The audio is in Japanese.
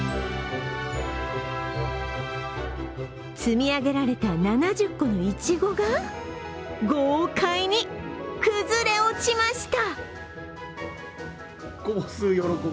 積み上げられた７０個のいちごが豪快に崩れ落ちました。